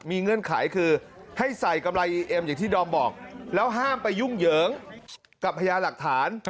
เงื่อนไขคือให้ใส่กำไรอีเอ็มอย่างที่ดอมบอกแล้วห้ามไปยุ่งเหยิงกับพญาหลักฐาน